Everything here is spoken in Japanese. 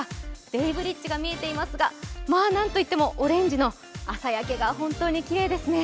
ベイブリッジが見えていますが、まあ何と言ってもオレンジの朝焼けが本当にきれいですね。